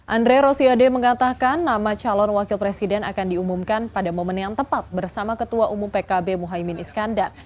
andre rosiade mengatakan nama calon wakil presiden akan diumumkan pada momen yang tepat bersama ketua umum pkb muhaymin iskandar